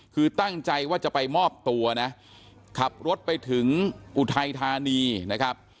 คือตั้งใจว่าจะไปมอบตัวนะขับรถไปถึงอุทัยธานีนะครับ